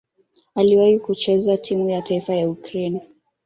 Aliwahi kucheza timu ya taifa ya Ukraine.